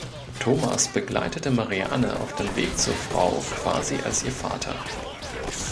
Thomas begleite Marianne auf dem Weg zur Frau quasi als ihr Vater.